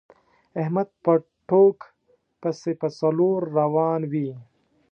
احمد په ټوک پسې په څلور روان وي.